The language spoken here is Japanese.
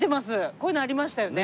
こういうのありましたよね。